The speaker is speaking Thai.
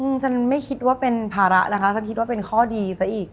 ฉันไม่คิดว่าเป็นภาระนะคะฉันคิดว่าเป็นข้อดีซะอีก